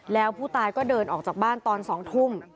แล้วผู้ตายก็เดินออกจากบ้านตอน๒ทุ่ม